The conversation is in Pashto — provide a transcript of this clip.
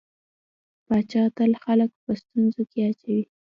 پاچا تل خلک په ستونزو کې اچوي.